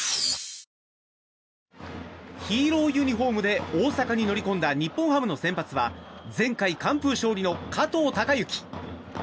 ヒーローユニホームで大阪に乗り込んだ日本ハムの先発は前回、完封勝利の加藤貴之。